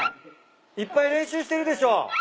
いっぱい練習してるでしょ？